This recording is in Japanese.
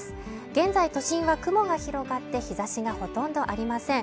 現在都心は雲が広がって日差しがほとんどありません